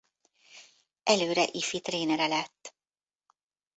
Előre ifi trénere lett.